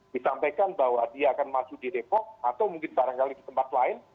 disampaikan bahwa dia akan masuk di depok atau mungkin barangkali di tempat lain